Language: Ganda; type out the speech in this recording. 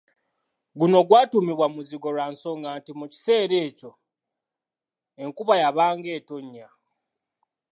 Guno gwatuumibwa Muzigo lwa nsonga nti mu kiseera ekyo enkuba yabanga etonnya.